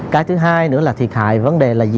cái thứ hai nữa là thiệt hại vấn đề là gì